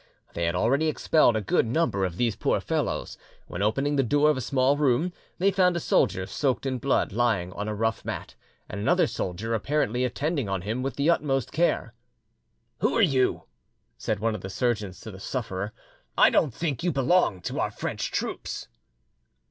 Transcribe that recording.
They had already expelled a good number of these poor fellows, when, opening the door of a small room, they found a soldier soaked in blood lying on a rough mat, and another soldier apparently attending on him with the utmost care. "Who are you?" said one of the surgeons to the sufferer. "I don't think you belong to our French troops."